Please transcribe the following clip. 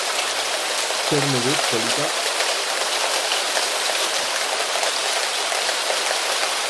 Zer moduz, polita?